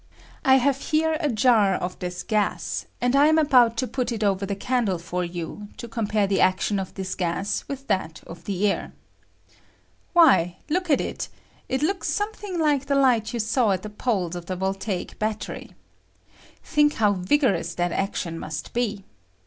I have here a jar of this gas, and I am about to put it over the candle for you to compare the action of thia gas with that of the air. Why, look at it ; it looka something like the light you saw at the poles of the voltaic battery. Think how vigor ous that action must be.